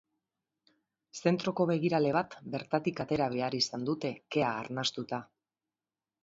Zentroko begirale bat bertatik atera behar izan dute kea arnastuta.